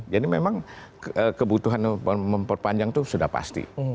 jadi memang kebutuhan memperpanjang itu sudah pasti